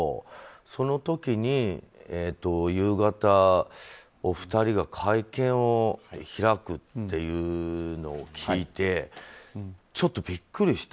その時に、夕方お二人が会見を開くっていうのを聞いてちょっとビックリして。